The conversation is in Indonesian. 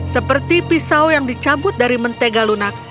seperti pisau yang dicabut dari mentega lunak